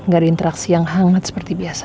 gak ada interaksi yang hangat seperti biasa